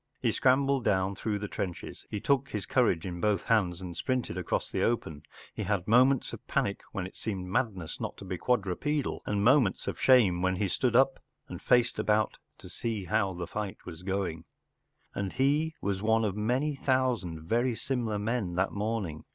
He scrambled down through trenches, he took his courage in both hands and sprinted across the open, he had moments of panic when it seemed madness not to be quad tu pedal, and m aments of shame when he stood up and faced about to see how the fight was going. And he was one of many thousand very similar men that morning.